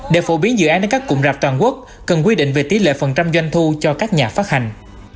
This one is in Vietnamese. để phổ biến dự án đến các cụm rạp toàn quốc cần quy định về tỷ lệ phần trăm doanh thu cho các nhà phát hành